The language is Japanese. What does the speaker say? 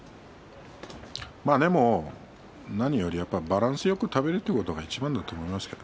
何よりバランスよく食べるということがいちばんだと思います。